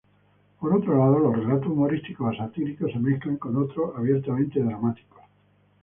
Por otro lado, los relatos humorísticos o satíricos se mezclan con otros abiertamente dramáticos.